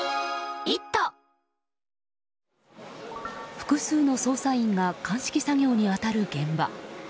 複数の捜査員が鑑識作業に当たる現場。